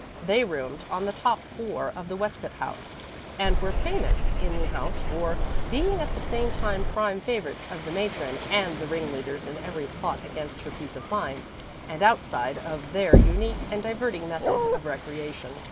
They roomed on the top floor of the Westcott House and were famous in the house for being at the same time prime favorites of the matron and the ringleaders in every plot against her peace of mind, and outside for their unique and diverting methods of recreation.